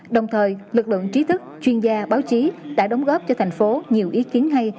đồng thời lực lượng trí thức chuyên gia báo chí đã đóng góp cho thành phố nhiều ý kiến hay